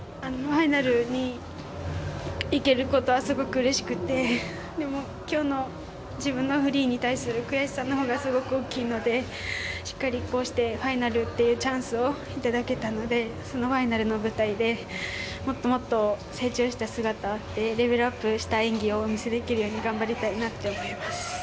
ファイナルに行けることはすごくうれしくてでも今日の自分のフリーに対する悔しさのほうがすごく大きいのでしっかり、こうしてファイナルというチャンスを頂けたのでそのファイナルの舞台でもっともっと成長した姿レベルアップした演技をお見せできるように頑張りたいと思います。